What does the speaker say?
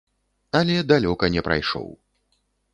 Але далёка не прайшоў.